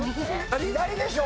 左でしょ！